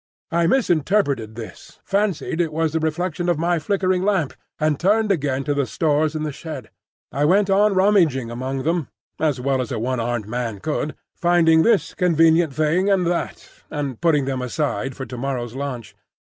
I misinterpreted this, fancied it was a reflection of my flickering lamp, and turned again to the stores in the shed. I went on rummaging among them, as well as a one armed man could, finding this convenient thing and that, and putting them aside for to morrow's launch.